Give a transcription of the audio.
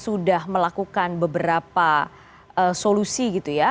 sudah melakukan beberapa solusi gitu ya